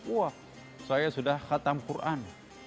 wah saya sudah khatam quran